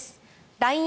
ＬＩＮＥ